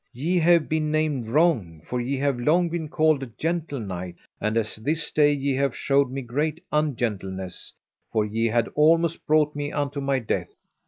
Ye have been named wrong, for ye have long been called a gentle knight, and as this day ye have showed me great ungentleness, for ye had almost brought me unto my death.